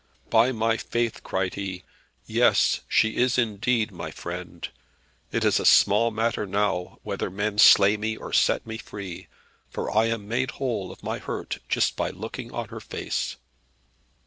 "By my faith," cried he, "yes, she is indeed my friend. It is a small matter now whether men slay me, or set me free; for I am made whole of my hurt just by looking on her face."